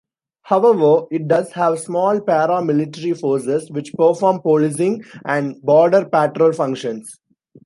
However, it does have small paramilitary forces which perform policing and border patrol functions.